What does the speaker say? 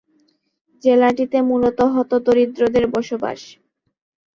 জেলাটিতে মূলত হত-দরিদ্রদের বসবাস।